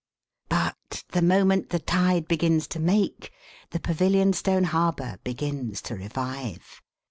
But, the moment the tide begins to make, the Pavilionstone Harbour begins to revive.